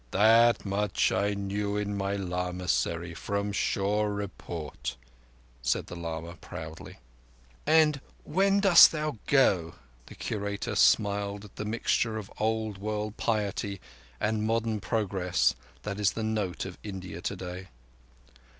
That much I knew in my lamassery from sure report," said the lama proudly. "And when dost thou go?" The Curator smiled at the mixture of old world piety and modern progress that is the note of India today.